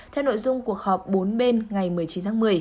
theo nội dung cuộc họp bốn bên ngày một mươi chín tháng một mươi